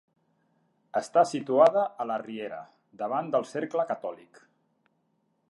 Està situada a la Riera, davant del Cercle Catòlic.